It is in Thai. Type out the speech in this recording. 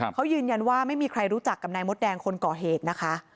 เขายืนยันว่าไม่มีใครรู้จักกับนายมดแดงคนก่อเหตุนะคะ